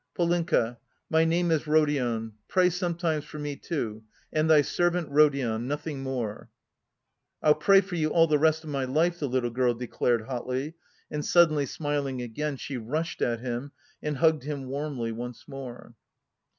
"Polenka, my name is Rodion. Pray sometimes for me, too. 'And Thy servant Rodion,' nothing more." "I'll pray for you all the rest of my life," the little girl declared hotly, and suddenly smiling again she rushed at him and hugged him warmly once more.